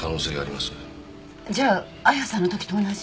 じゃあ亜矢さんのときと同じ？